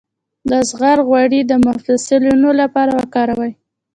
د زغر غوړي د مفصلونو لپاره وکاروئ